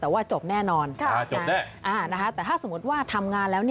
แต่ว่าจบแน่นอนจบแน่แต่ถ้าสมมติว่าทำงานแล้ว